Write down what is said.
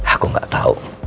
aku gak tau